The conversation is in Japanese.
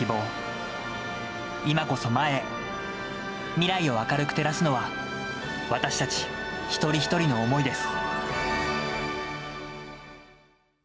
未来を明るく照らすのは、私たち、一人一人の思いです。